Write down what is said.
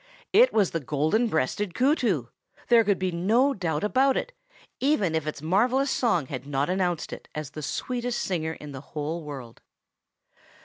It was the Golden breasted Kootoo! There could be no doubt about it, even if its marvellous song had not announced it as the sweetest singer of the whole world.